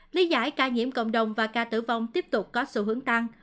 lý giải ca nhiễm cộng đồng và ca tử vong tiếp tục có xu hướng tăng